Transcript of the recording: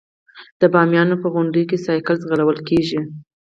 د بامیانو په غونډیو کې سایکل ځغلول کیږي.